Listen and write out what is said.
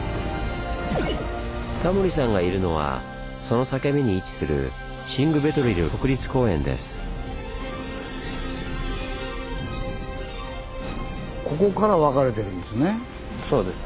タモリさんがいるのはその裂け目に位置するここから分かれてるんですね。